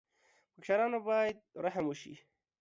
په کشرانو باید رحم وشي.